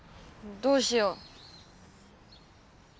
どうしよう。